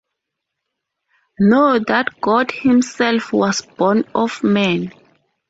Know that God Himself was born of man.